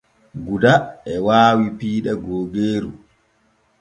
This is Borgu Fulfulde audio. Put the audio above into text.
Guda e waawi piiɗe googeeru.